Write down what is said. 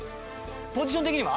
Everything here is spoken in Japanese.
ポジション的には？